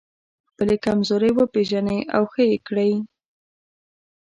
خپلې کمزورۍ وپېژنئ او ښه يې کړئ.